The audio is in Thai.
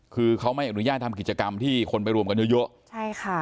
คือเขาไม่อนุญาตทำกิจกรรมที่คนไปรวมกันเยอะเยอะใช่ค่ะ